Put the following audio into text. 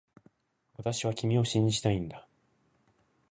私は君を信じたいんだ